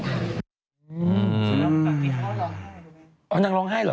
สุน้ำกลับไปเข้าร้องไห้ดูมั้ย